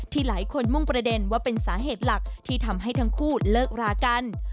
หลายคนมุ่งประเด็นว่าเป็นสาเหตุหลักที่ทำให้ทั้งคู่เลิกรากัน